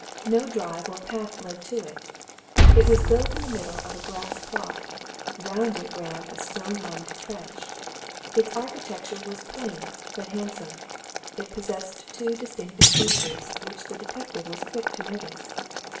No drive or path led to it: it was built in the middle of a grass plot: round it ran a stone lined trench. Its architecture was plain but handsome; it possessed two distinctive features which the detective was quick to notice.